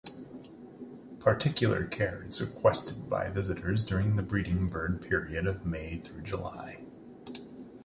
Particular care is requested by visitors during the breeding bird period of May-July.